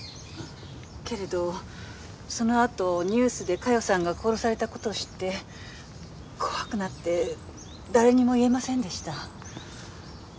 けれどそのあとニュースで加代さんが殺された事を知って怖くなって誰にも言えませんでした。